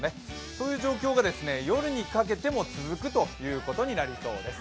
そういう状況が夜にかけても続くことになりそうです。